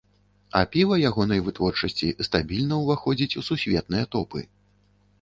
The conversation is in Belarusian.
А піва ягонай вытворчасці стабільна ўваходзіць у сусветныя топы.